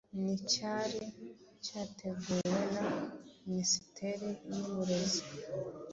nicyari cyateguwe na minisiteri y'uburezi.